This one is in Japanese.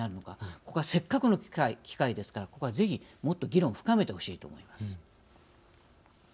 ここは、せっかくの機会ですからここは、ぜひ議論をもっと深めてほしいと思います。